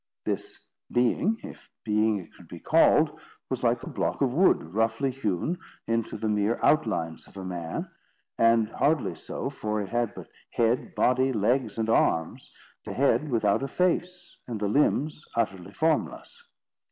This being, if being it could be called, was like a block of wood roughly hewn into the mere outlines of a man; and hardly so, for it had but head, body, legs, and arms—the head without a face, and the limbs utterly formless.